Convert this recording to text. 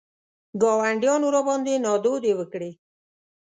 ګاونډیانو راباندې نادودې وکړې.